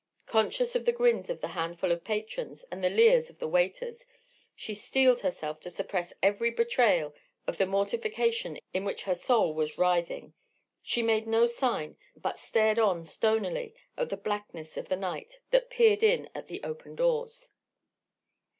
Conscious of the grins of the handful of patrons, and the leers of the waiters, she steeled herself to suppress every betrayal of the mortification in which her soul was writhing, she made no sign but stared on stonily at the blackness of the night that peered in at the open doors.